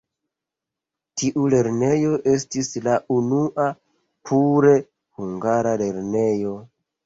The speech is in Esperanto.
Tiu lernejo estis la unua pure hungara lernejo.